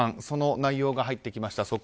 その内容が入ってきました。